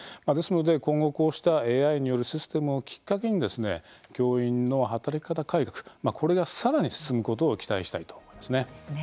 今後、こうしたＡＩによるシステムをきっかけに教員の働き方改革これが、さらに進むことを期待したいと思います。